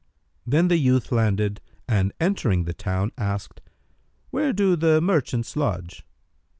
Then the youth landed and entering the town asked, "Where do the merchants lodge?"